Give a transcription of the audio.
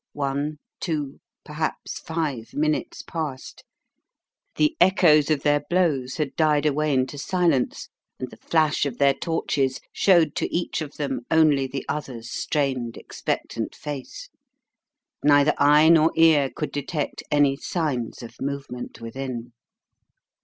One, two, perhaps five minutes passed; the echoes of their blows had died away into silence, and the flash of their torches showed to each of them only the other's strained 38 The House of Shadows 39 expectant face. Neither eye nor ear could detect any signs of movement within.